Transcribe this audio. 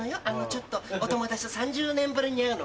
ちょっとお友達と３０年ぶりに会うの」。